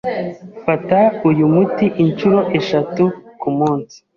Fata uyu muti inshuro eshatu kumunsi.